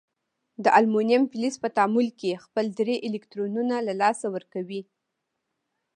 د المونیم فلز په تعامل کې خپل درې الکترونونه له لاسه ورکوي.